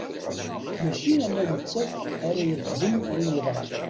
Mačči ala nettat ara irefden ayen yeḍran.